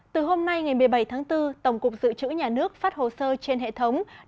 từ hôm nay ngày một mươi bảy tháng bốn tổng cục dự trữ nhà nước phát hồ sơ trên hệ thống